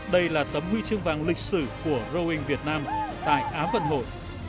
đây là tấm huy chương vàng lịch sử của rowing việt nam tại á vận hội